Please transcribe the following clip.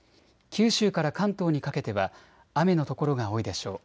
九州から関東にかけては雨の所が多いでしょう。